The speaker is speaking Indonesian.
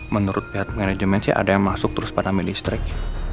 menurut pihak manajemen sih ada yang masuk terus pada main listrik